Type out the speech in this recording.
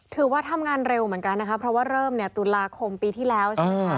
ถือว่าทำงานเร็วเหมือนกันนะครับเพราะว่าเริ่มตุลาคมปีที่แล้ว